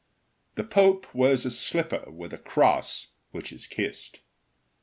The Pope wears a slipper with a cross, which is kissed.